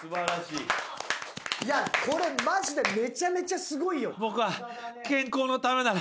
いやこれマジでめちゃめちゃすごいよ。